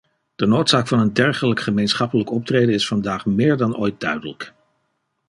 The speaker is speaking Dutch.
De noodzaak van een dergelijk gemeenschappelijk optreden is vandaag meer dan ooit duidelijk.